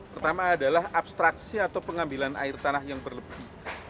pertama adalah abstraksi atau pengambilan air tanah yang berlebih